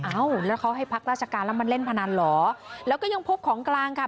เอ้าแล้วเขาให้พักราชการแล้วมาเล่นพนันเหรอแล้วก็ยังพบของกลางค่ะ